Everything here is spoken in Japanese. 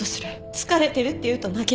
疲れてるって言うと泣きだす。